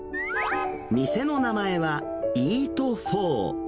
店の名前はイートフォー。